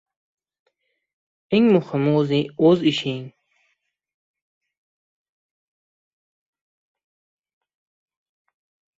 • Eng muhimi ― o‘z ishing.